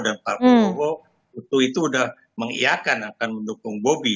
dan pak prabowo itu sudah mengiakan akan mendukung bobi